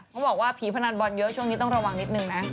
บอกว่าผีพนันบอลเยอะช่วงนี้ต้องระวังนิดนึงนะ